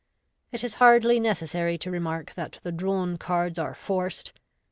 It is hardly necessary to remark that the drawn cards are forced.